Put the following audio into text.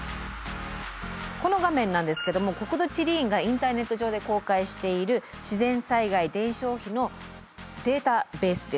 この画面なんですけども国土地理院がインターネット上で公開している自然災害伝承碑のデータベースです。